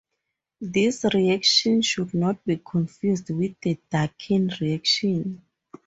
This reaction should not be confused with the Dakin reaction.